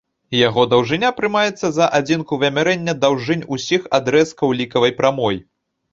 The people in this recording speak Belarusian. Яго даўжыня прымаецца за адзінку вымярэння даўжынь усіх адрэзкаў лікавай прамой.